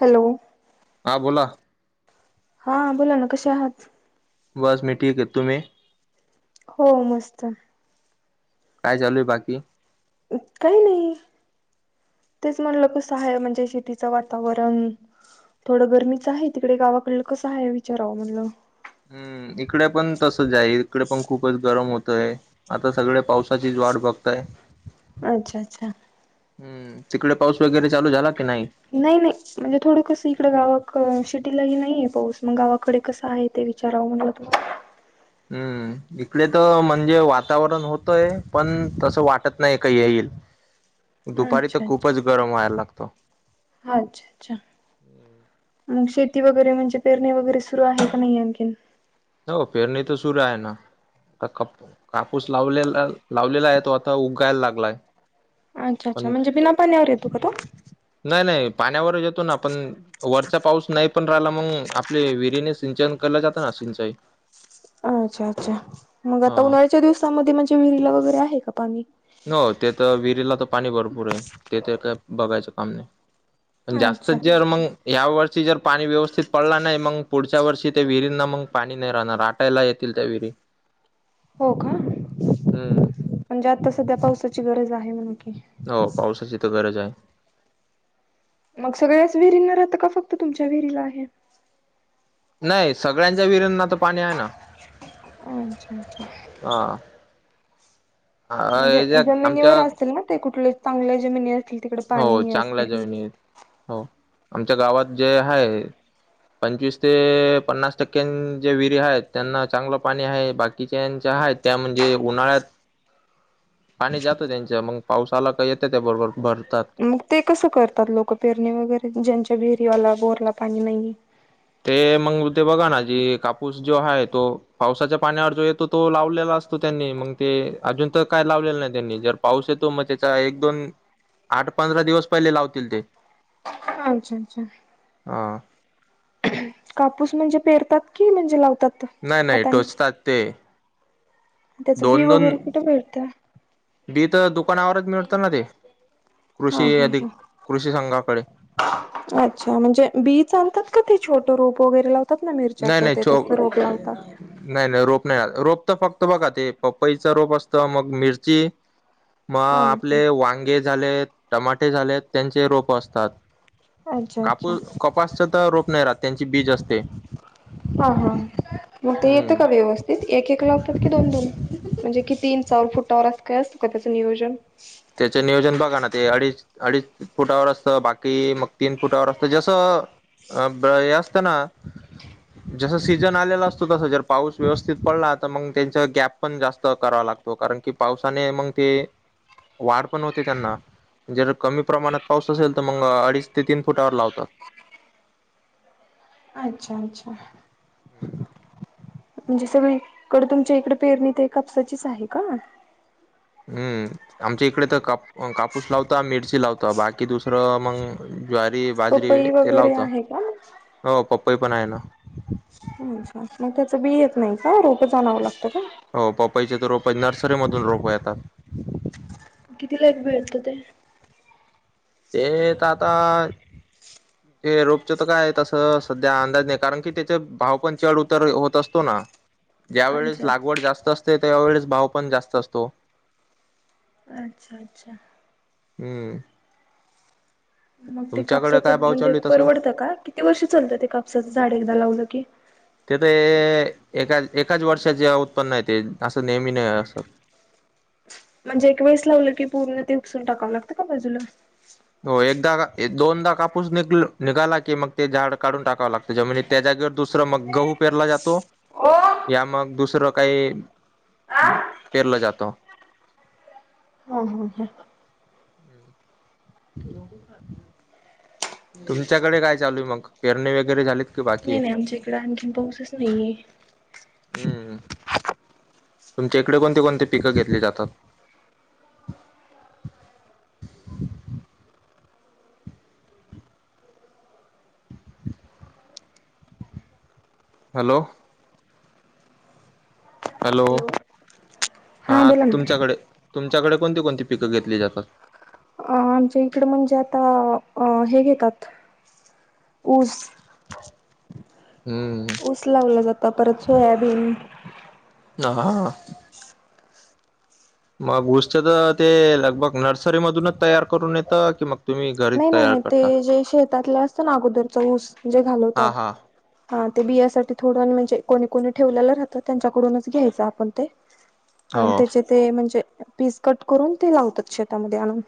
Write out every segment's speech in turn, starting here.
Hello. हा बोला. हा बोला ना कसे आहात. बस मी ठीक आहे तुम्ही. हो मस्त काय चालूय बाकी. काही नाही. तेच म्हणलं कस आहे म्हणजे शेतीचं वातावरण. थोडं गरमीचं आहे तिकडे गावाकडलं कसं आहे विचारावं म्हणलं. ह इकडे पण तसच आहे इकडे पण खूपच गरम होत. आता सगळे पावसाचीच वाट बघताय. अच्छा अच्छा. हं, तिकड पाऊस वगैरे चालू झाला. की नाही नाही, नाही. मी थोडं कसं इकडं गावं त शिटीलाही नाही आहे पाऊस. मग गावाकडे कसा आहे, ते विचारावं म्हणलं, तू हम्म, इकडे तर म्हणजे वातावरण होतंय, पण तसं वाटत नाही, काही येईल. [inaudible] दुपारी तर अच्छा अच्छा खूपच गरम व्हायला लागतं. अच्छा मग श ती वगैरे म्हणजे, पेरणी वगैरे सुरु आहे की नाही, आणखीन हो, पेरणी तर सुरू आहे ना. आता काप कापूस लावलेला, लावलेला आहे. तो आता उगायला लागलाय. अच्छा, अच्छा. पण म्हणजे बिना पाण्यावर येतो का तो? नाही, नाही. पाण्यावर येतो ना, पण वरचा पाऊस नाही. पण राहिला, मग आपले विहिरीने सिंचन केलं जातं ना, सिंचाई. अं, अच्छा, अच्छा. मग आता हा उन्हाळ्याच्या दिवसामध्ये म्हणजे, विहिरीला वगैरे आहे का पाणी? [inaudible] ते तर जिल्हात तर पाणी भरपूर आहे. तेथे काय बघायचं काम नाही. पण जास्त, अच्छा जर अच्छा मग या वर् शी, जर पाणी व्यवस्थित पडला नाही, मग पुढच्या वर्षी त्या विहिरींना मग पाणी नाही राहणार. आटायला येतील त्या विहिरी. [inaudible] हो का? हम्म म्हणजे आता सध्या पावसाची गरज आहे, म्हण की. हो, पावसाची तर गरज आहे. मग सगळ्याच विहिरींना राहतं का, फक्त तुमच्या विहिरीला आहे? नाही, सगळ्यांच्या विहिरींना तर पाणी आहे ना. अच्छा, अच्छा. हा आ- म्हणजे याच्या आमच्या जमिनीवर असेल ना, ते कुठले चांगल्या जमिनी असतील तिकडे पाणी हो, हे चांगल्या असेल. जमीनी. हो, आमच्या गावात जे हाय. पंचवीस ते पन्नास टक्क्यां, जे विहिरी आहेत, त्यांना चांगलं पाणी आहे. बाकीच्यां च्या आहेत त्या, म्हणजे उन्हाळ्यात. [inaudible] पाणी जातं त्यांच, मग पाऊस आला तर येतं, त्या बरोबर भर मग ते कसं करतात लोकं पेरणे वगैरे, ज्यांच्या विहिरीवाला बोरला पाणी नाहीे. जे कापूस जो आहे, तो पावसाच्या पाण्यावर जो येतो, तो लावलेला असतो त्यांनी, मग ते अजून तिथं काय लावलेलं नाही त्यांनी. जर पाऊस येतो, मग त्याचा एक दोन आठ पंधरा दिवस पहिले लावतील ते. अच्छा, अच्छा. हा. अंहं, कापूस म्हणजे पेरतात की, म्हणजे लावतात? नाही, नाही. हातानी? टोचतात ते. त्याचं बी दोन दोन वगैरे कुठे भेटतं? जीत टोक पण आववरच मिळतं ना ते. हा, कृषी हा, अधिक हं कृषी संघाकडे अच्छा, म्हणजे बी चालतात? क ते छोटं रोप वगैेरे लाव नाही, नाही. छो नाही. नाही, रोप [unintelligible] रोप तर फक्त बघा, ते पपईचा रोप असत, मग मिरची मग हा. आपले वांगे झालेत, टमाटे झालेत, त्यांचे रोप असतात. अच्छा अच्छा कापूस, कपासच तर रोप नाही राहत, त्यांची बीज असते. हा, हा. मग ते येतं हम्म का व्यवस्थित, एक एक लावतात की दोन दोन, म्हणजे किती इंचावर फुटावर आस काय असत का त्यांच नियोजन? त्याचे नियोजन बघा ना, ते अडीच अडीच फुटावर असतं, बाकी मग तीन फुटावर असतं, जसं अ ब हे असतना. जस सीझन आलेला असतो तस जर पाऊस व्यवस्थित पडला तर मग त्यांचा गॅप पण जास्त करावा लागतो. कारण की पावसाने मग ते वाढ पण होते त्यांना. जर कमी प्रमाणात पाऊस असेल तर मग अडीच ते तीन फुटावर लावतात. अच्छा अच्छा. म्हणजे सगळीकड तुमच्या इकडे पेरणी ते कापसाचीच आहे का. हम्म आमच्या इकडे तर काप कापूस लावता मिरची लावता बाकी दुसरं मग ज्वारी बाजरी पपई ते वगैरे लावत आहे का? हो पपई पण आहे ना. अच्छा मग त्याच बी येत नाही का रोप जाावं लागतं का. हो पपईचे तर रोप नर्सरी मधून रोप येतात. कितीला एक भेटत ते. ते का आता. ते रोपच तर काय तसं सध्या अंदाज नाही कारण कि त्याचे भाव पण चढ उतर होत असतो ना ज्या वेळेस अच्छा लागवड जास्त असते त्याववेेळेस भाव पण जास्त असतो अच्छा अच्छा हम्म मग ते तुमच्याकडे काय कापसाचं भाव म्हणजे चालू आहे तसं परवडतं का किती वर्ष चालतं ते कापसाचं झाड एकदा लावलं की तेथ एका एकाच वर्षाचे उत्पन्न आहे ते असं नेहमी नाही असं म्हणजे एक वेळेस लावलं की पूर्ण ते उकसून टाकावं लागतं का बाजूला हो एकदा दोनदा कापूस नि निघाला की मग ते झाड काढून टाकावं लागतं ज म्ह त्या दुसरं मग गहू पेरला जातो ओ या हा मग दुसरं काही पेरलं जात त हा ह ह तुमच्याकडे काय चालू आहे मग पेरणी वगैरे झालीत की बाकी नाही आहे? नाही आमच्या इकड आणखीन पाऊसच नाहीये हम् तुमच्या इकडे कोणती कोणती पिकं घेतली जातात [inaudible] हॅलो हॅलो हा बोला ना तुमच्याकडे तुमच्याकडे कोणती कोणती पिकं घेतली ज आपात अ आमच्या इकड म्हणजे आता हे घेतात ऊस ह ऊस लावला जात परत सोयाबीन ह मग गुष्ट तर ते लगभग नर्सरी मधूनच तयार करून येतं कि मग तुम्ही घरीच नाही नाही तयार नाही ते करता? जे शेतातले असत ना अगोदरचा ऊस जे हा हा. घालवतात ते बियाठी थोडं म्हणजे कोणी कोणी ठेवलेलं राहतं त्यांच्याकडूनच घ्यायचं आपण ते आणि हो त्याचे ते म्हणजे पीस कट करून ते लावतात शेतामध्ये आणून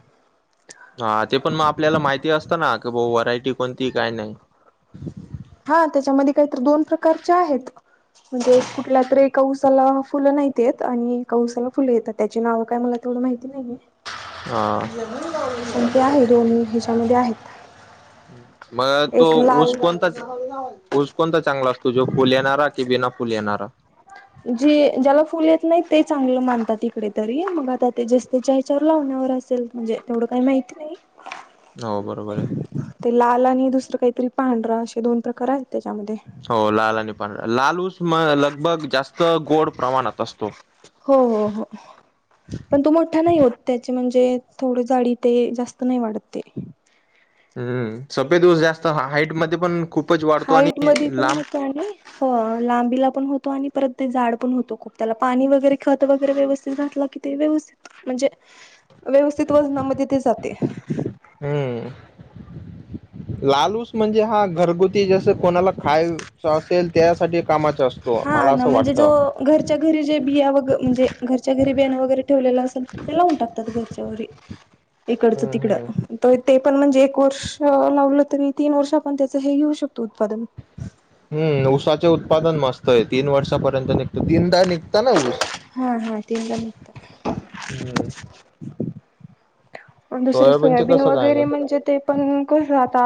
हा ते पण मग आपल्याला माहिती असतं ना की भा व्हरायटी कोणती काय नाही हा त्याच्यामध्ये काहीत दोन प्रकारच्या आहेत म्हणजे कुठल्या त एका उसाला फुलं नाहीत येत आणि एका उऊसाला फुलं येतात त्याचे नाव काय मला तेवढ माहिती नाही आहे हां पण ते आहे दोन ह्याच्यामध्ये आहेत मग तो एक लाल ऊस कोणता ऊस कोणता चांगला असतो जो फुल येणारा कि बिना फुल येणारा जे ज्याला फुल येत नाही ते चांगलं मानतात तिकडे तरी मग आता ते जस्तच्यावर लावण्या असेल म्हणजे तेवढं काही माहिती नाही हो बरोबर आहे ते लाल आणि दुसरं काहीतरी पांढरा असे दोन प्रकार आहेत त्याच्यामध्ये हो लाल आणि प लालूस म लगभग जास्त गोड प्रमाणात असतो हो हो हो पण तो मोठा नाही होत त्याचे म्हणजे थोड जाडी ते जास्त नाही वाढतते हम्म सपेदवस जास्त हाईटमध्येध्ये पण खूप हाईट म पण होत आणि हो लांबीला पण होतो आणि परत ते झाड पण होतो खूप त्याला पाणी वगैरे खत वगैरे व्यवस्थितलं की ते व्यवस्थित म्हणजे व्यवस्थित वजनामध्ये ते जाते हम्म लालू म्हणजे हा घरगुती जस कोणाला खायच असेल त्यासाठी कामा हा ना म्हणजे जो घरच्या घरी जे बिया वगैर म्हणजे घरच्या घरी बियाण वगैरे ठेवलेलं असेल तर ते लावून टाकतात घरच्या घरी इकडच हम्म तिकड हम्म ते पण म्हणजे एक वर्ष लावलं तरी तीन वर्ष आपण त्याच हे घेऊ शकतो उत्पादन हम्म ऊसाचे उत्पादन मस्त आहे तीन वर्षापर्यंत निघतो तीनदा निघ हा हा तीनदा निघतो हम्म दुसरे सोयाबीनचे सोयाबीन कसं काय वगैरे नाही म्हणजे ते पण कस आता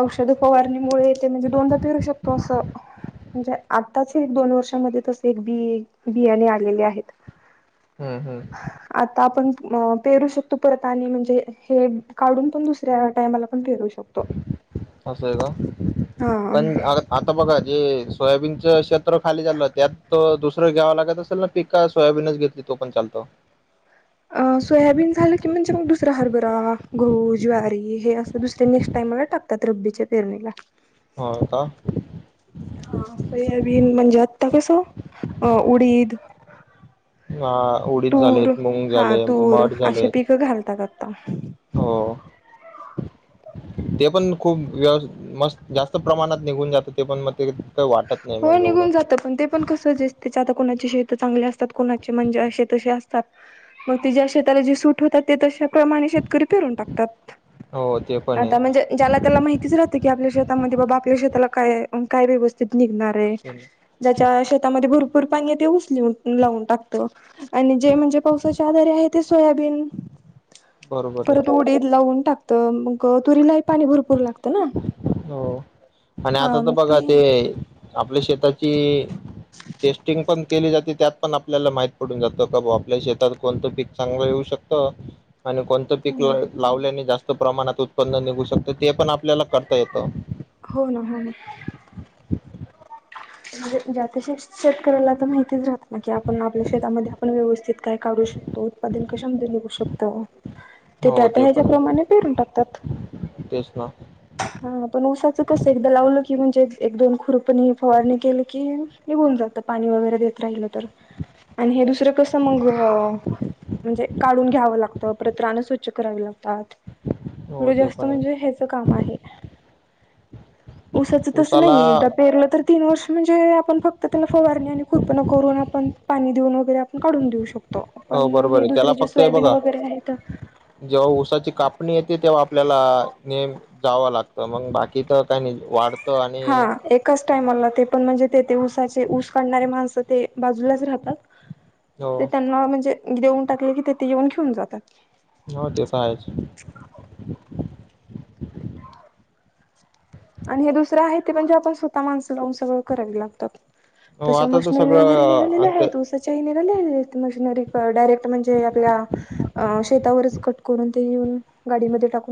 औषध फवारणीमुळे ते म्हणजे दोनदा पिरू शकतो असं म्हणजे आताच एक दोन वर्षामध्ये तसे एक बी बियाणे आलेले आहेत हम्म हम्म अ पेरू शकतो परत आणि म्हणजे हे काढून पण दुसऱ्या टायमाला पण पेरू शकतो असं आहे का पण हा आ आता बघा जे सोयाबीनचं क्षेत्र खाली झालं त्यात त्यात दुसरं घ्याव लागत असेल ना पिक सोयाबीनच घेतली तो पण चालतो अ सोयाबीन झालं की म्हणजे मग दुसरा हरभरा गहू ज्वारी हे असं दुसरे नेक्स्ट टाइमला टाकतात रब्बीच्या पेरणीला हो का हा सोयाबीन म्हणजे आता कसं अ उडीद [inaudible] हा उडीद तूर झालेत मूग हा झाले तूर मठ असे झालेत पिकं घालतात आता हो ते पण खूप व्यस् मस् जास्त प्रमाणात निघून जात ते पण मग ते वाटत नाही हो मग एवढं निघून जात पण ते पण कस दिसते आता कोणाची शेत चांगली असते त्यात कुणाची म्हणजे अशी तशी असतात मग जे ज्या शेताला सूट होतात ते तसे प्रमाणे शेतकरी फिरून टाकतात हो ते पण आता आहे म्हणजे ज्याला त्याला माहितीच राहतं की आपल्या शेतामध्ये बाबा आपल्या शेताला काय काय व्यवस्थित निघणार हाय ज्याच्या शेतामध्ये भरपूर भरपूर पाणी ते ऊस लावून टाकत आणि जे म्हणजे पावसाचे आधारे आहे ते सोयाबीन बरोबर परत आहे उडीद लावून टाकत मग तुरीला ही पाणी भरपूर लागत लागत ना हो आणि हा आता तर मग ते बघा आपल्या शेताची टेस्टिंग पण केली जाते त्यात पण आपल्याला माहित पडून जातं का बाबा आपल्या शेतात कोणतं पीक चांगलं येऊ शकतो शकत आणि कोणतं हो पीक ना ला लावल्याने जास्त प्रमाणात उत्पन्न निघू शकतें ते पण आपल्याला करता येतं हो ना हो ना म्हणजे ज्या त्या शेतकऱ्याला तर माहितीच राहत की आपण आपल्या शेतामध्ये आपण व्यवस्थित काय काढू शकतो उत्पादन कशामध्ये निघू शकत ते त्या हो त्या हेच्या पण आहे प्रमाणे पिरून टाकतात तेच ना हा पण ऊसाचं कसं एकदा लावलं की म्हणजे एक दोन खुरपणी फवारणी केलं की हे निघून जात पाणी वगैरे देत राहिलं तर आणि हे दुसरं कसं मग म्हणजे काढून घ्यावं लागतं परत रानं स्वच्छ करावी लागत - तात हो पुढं ते जास्त पण म्हणजे आहे ह्याच काम आहे. ऊसाचं तस उसाला नाही एकदा पेरलं तर तीन वर्ष म्हणजे आपण फक्त त्याना फवारणी आणि कुरपन करून आपण पाणी देऊन वगैरे आपण काढून देऊ शकतो. पण हो बरोबर हे आहे त्याला दुसरे जे फक्त हे सोयाबीन बघा वगैरे आहेत जेव्हा ऊसाची कापणी येते तेव्हा आपल्याला नेम जावं लागत मग बाकी तर काही नाही वाढत. हा एकच टायमला ते पण म्हणजे ते ऊसाचे ऊस काढणारे माणसं ते बाजूलाच राहतात. हो ते त्यांना म्हणजे देऊन टाकले की तेथे येऊन घेऊन जातात.. हो तेे तर आहेच. आणि हे दुसर आहे ते म्हणजे आपण स्वत माणस ऊस बरोबर करायला लागतात हो तशा आता तर मशिनरी वैगेर सगळं निघल्या आता आहेत उसाच्या ही निघतात. मशनरी डायरेक्ट म्हणजे आपल्या शेतावरच कट करून ते येऊन गाडीमध्ये टाक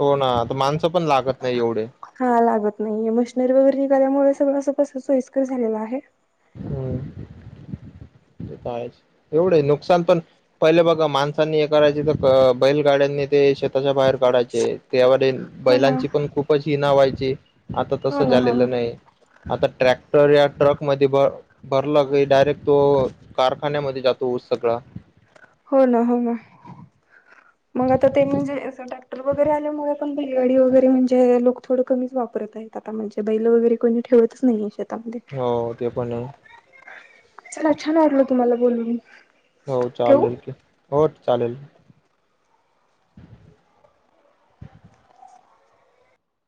हो ना आता माणसं पण लागत नाही एवढे आणि मशनरी वगैरे निघाल्यामुळे सगळं असं कसं सोयस्कर झालेल आहे. हम कायच एवढं नुकसान पण पहिले बघा माणसांनी हे करायचे तर बैलगाड्यांनी शेताच्या बाहेर काढायचे त्याव हो ना बैलांची पण खूपच हिना व्हायची आता हो तसं ना हो ना झालेलं नाही आता ट्रॅक्टर या ट्रक मध्ये भ भरला काही डायरेक्ट तो कारखान्यामध्ये जातोस ऊस सगळा हो ना हो ना मग आता ते म्हणजे टॅक्टर वगैरे आल्यामुळे बैलगाडी वगैरे म्हणजे लोक थोडं कमीच वापरत आहेत आता म्हणजे बैल वगैर कोणी ठेवत नाहीेतत. हो ते पण आहे. चला छान वाटल तुम्हाला बोलून. हो ठेवू? चालेल की हो चालेल.